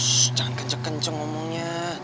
terus jangan kenceng kenceng ngomongnya